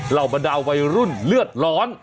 เรามาดาววัยรุ่นเลือดร้อน